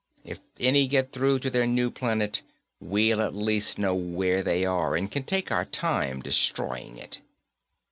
If any get through to their new planet, we'll at least know where they are and can take our time destroying it."